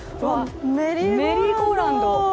メリーゴーラウンド！